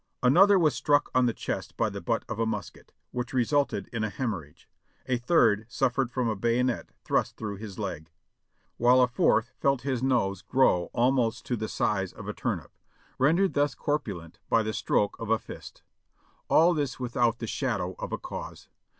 Another was struck on the chest by the butt of a musket, which resulted in a hemorrhage; a third suffered from a bayonet thrust through his leg, while a fourth felt his nose grow almost to 31 482 JOHNNY REB AND BILLY YANK the size of a turnip, rendered thus corpulent by the stroke of a fist. All this without the shadow of a cause.